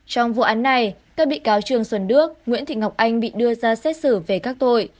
trong vụ án này các bị cáo trương xuân đức nguyễn thị ngọc anh bị đưa ra xét xử về các tội